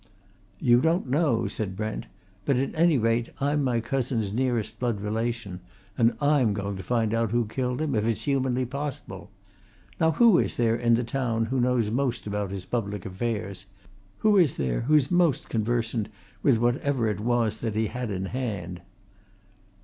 "You don't know," said Brent. "But, at any rate, I'm my cousin's nearest blood relation, and I'm going to find out who killed him, if it's humanly possible. Now who is there in the town who knows most about his public affairs who is there who's most conversant with whatever it was that he had in hand?"